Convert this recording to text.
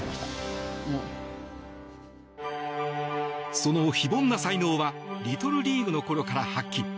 その非凡な才能はリトルリーグのころから発揮。